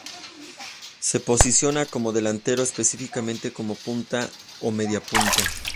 Se posiciona como delantero, específicamente como punta o media punta.